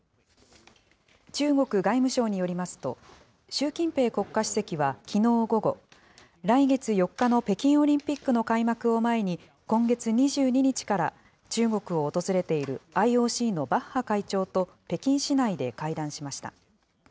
中国外務省によりますと、習近平国家主席はきのう午後、来月４日の北京オリンピックの開幕を前に、今月２２日から中国を訪れているＩＯＣのバッハ会長と北京市内で会談しました。